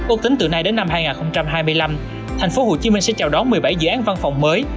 úc tính từ nay đến năm hai nghìn hai mươi năm thành phố hồ chí minh sẽ chào đón một mươi bảy dự án văn phòng mới